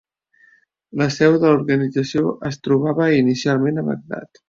La seu de l'organització es trobava inicialment a Bagdad.